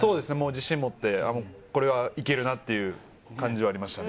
自信を持って、これはいけるなという感じはありましたね。